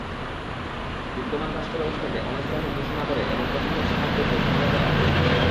বিদ্যমান রাষ্ট্রব্যবস্থাকে অনৈসলামিক ঘোষণা করে এবং পছন্দের সমাজ গড়তে সংঘাতের আশ্রয় নেয়।